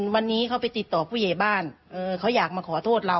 วันนี้เขาไปติดต่อผู้ใหญ่บ้านเขาอยากมาขอโทษเรา